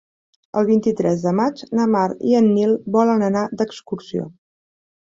El vint-i-tres de maig na Mar i en Nil volen anar d'excursió.